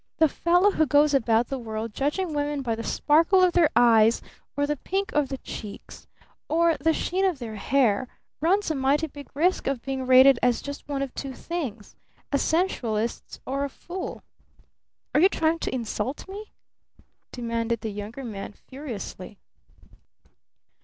"The fellow who goes about the world judging women by the sparkle of their eyes or the pink of their cheeks or the sheen of their hair runs a mighty big risk of being rated as just one of two things, a sensualist or a fool." "Are you trying to insult me?" demanded the Younger Man furiously.